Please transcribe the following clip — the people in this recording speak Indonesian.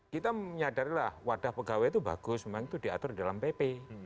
kita menyadari lah wadah pegawai itu bagus memang itu diatur dalam pp